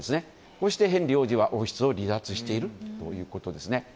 そしてヘンリー王子は王室を離脱しているということです。